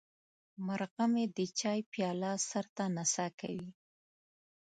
مرغه مې د چای پیاله سر ته نڅا کوي.